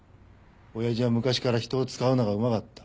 親父は昔から人を使うのがうまかった。